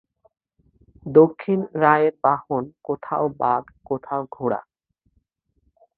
দক্ষিণ রায়ের বাহন কোথাও বাঘ, কোথাও ঘোড়া।